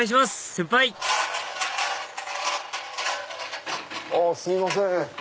先輩あっすいません。